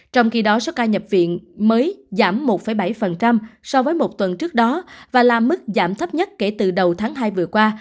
trong khi đó số ca nhập viện mới giảm một bảy so với một tuần trước đó và là mức giảm thấp nhất kể từ đầu tháng hai vừa qua